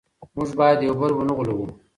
موږ باید یو بل ونه غولوو.